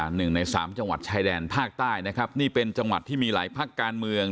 หนึ่งในสามจังหวัดชายแดนภาคใต้นะครับนี่เป็นจังหวัดที่มีหลายภาคการเมือง